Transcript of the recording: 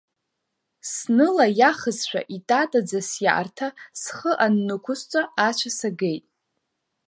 Снылаиахызшәа итатаӡа сиарҭа, схы аннықәысҵа ацәа сагеит.